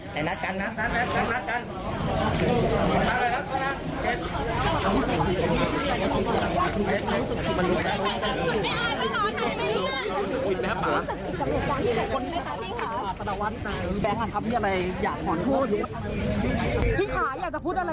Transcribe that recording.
แล้วมาบอกว่านี้โชคดำรวจภูทรภูมิหากภูมิขึ้นไป